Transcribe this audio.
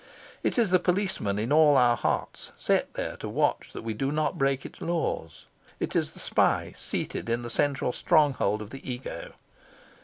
It is the policeman in all our hearts, set there to watch that we do not break its laws. It is the spy seated in the central stronghold of the ego.